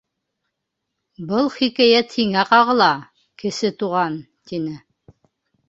— Был хикәйәт һиңә ҡағыла, Кесе Туған, — тине.